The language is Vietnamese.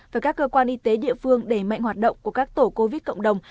và các cơ quan y tế địa phương đẩy mạnh hoạt động của các tổ covid cộng đồng